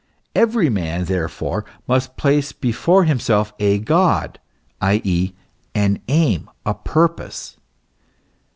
Every man, therefore, must place before himself a God, i.e., an aim, a purpose.